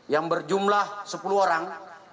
yang berjumlah sepuluh orang